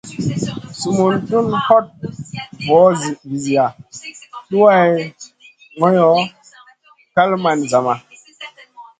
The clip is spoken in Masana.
Sumun tun hoɗ voo viziya duwayd goyo, kal man zama.